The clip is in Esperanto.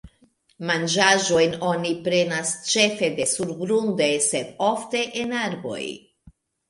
Manĝaĵojn oni prenas ĉefe de surgrunde sed ofte en arboj.